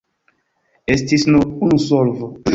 Estis nur unu solvo.